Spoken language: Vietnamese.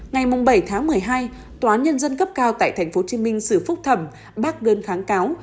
ngày bảy tháng một mươi hai tòa án nhân dân cấp cao tại tp hcm xử phúc thẩm bác đơn kháng cáo